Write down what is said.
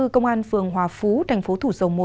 công an phường hòa phú thành phố thủ dầu một